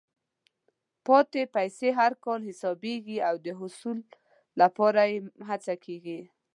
پاتې پیسې هر کال حسابېږي او د حصول لپاره یې هڅه کېږي.